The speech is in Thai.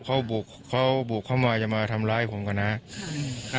เขาบุกเขาบุกเข้ามาจะมาทำร้ายผมก่อนนะครับ